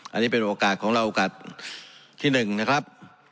อันนี้เป็นโอกาสของเราโอกาสที่๑นะครับ